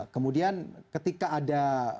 kemudian ketika ada